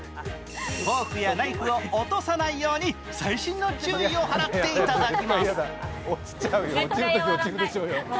フォークやナイフを落とさないように細心の注意を払っていただきます。